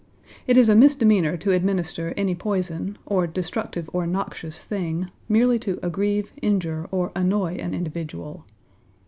It is a misdemeanour to administer any poison, or destructive or noxious thing, merely to aggrieve, injure, or annoy an individual.